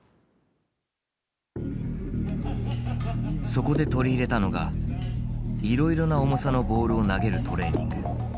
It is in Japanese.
そこで取り入れたのがいろいろな重さのボールを投げるトレーニング。